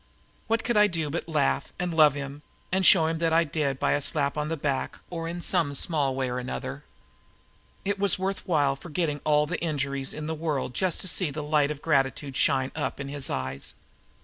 What could I do but laugh and love him and show him I did by a slap on the back or in some small way or another? It was worth while forgetting all the injuries in the world just to see the light of gratitude shine up in his eyes.